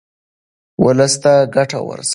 ولس ته ګټه ورسوئ.